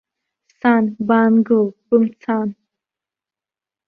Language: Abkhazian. Сан, баагыл, бымцан!